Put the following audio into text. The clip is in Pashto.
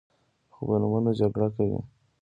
خو په نومونو جګړه کوي.